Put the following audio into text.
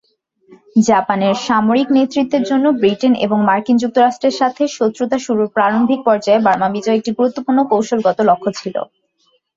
জাপানের সামরিক নেতৃত্বের জন্য, ব্রিটেন এবং মার্কিন যুক্তরাষ্ট্রের সাথে শত্রুতা শুরুর প্রারম্ভিক পর্যায়ে বার্মা বিজয় একটি গুরুত্বপূর্ণ কৌশলগত লক্ষ্য ছিল।